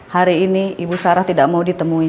hari ini ibu sarah tidak mau ditemui